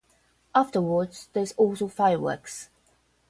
Afterwards there is also fireworks.